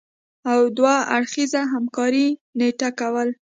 او دوه اړخیزې همکارۍ نټه کوله